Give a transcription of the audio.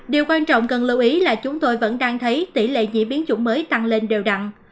điều quan trọng cần lưu ý là chúng tôi vẫn đang thấy tỷ lệ diễn biến chủng mới tăng lên đều đặn